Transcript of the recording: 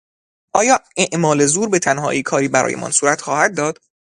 آیا اعمال زور به تنهایی کاری برایمان صورت خواهد داد؟